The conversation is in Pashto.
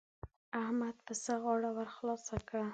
احمد پسه غاړه ور خلاصه کړه.